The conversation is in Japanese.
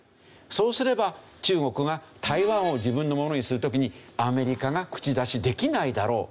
そうすれば中国が台湾を自分のものにする時にアメリカが口出しできないだろう